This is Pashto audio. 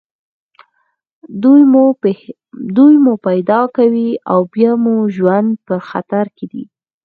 دوی مو پیدا کوي او بیا مو ژوند په خطر کې دی